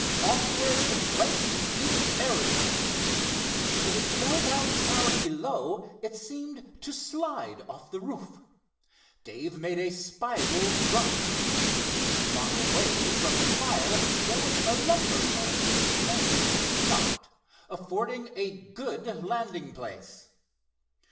Onward went the Ariel. To the spellbound crowd below it seemed to slide off the roof. Dave made a spiral drop. A block away from the fire there was a lumber yard, only half stocked, affording a good landing place.